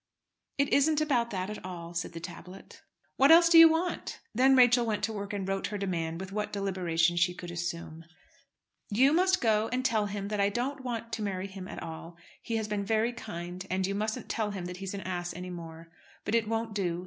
"It isn't about that at all," said the tablet. "What else do you want?" Then Rachel went to work and wrote her demand with what deliberation she could assume. "You must go and tell him that I don't want to marry him at all. He has been very kind, and you mustn't tell him that he's an ass any more. But it won't do.